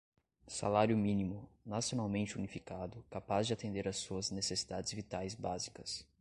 salário mínimo, nacionalmente unificado, capaz de atender a suas necessidades vitais básicas